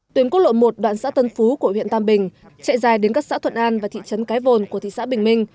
tuyến quốc lộ một đoạn xã tân phú của huyện tam bình chạy dài đến các xã thuận an và thị trấn cái vồn của thị xã bình minh